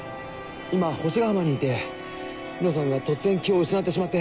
今星ヶ浜にいて海音さんが突然気を失ってしまって。